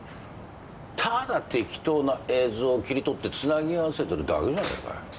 ただ適当な映像を切り取ってつなぎ合わせてるだけじゃねえか。